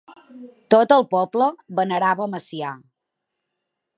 Tot el poble venerava Macià.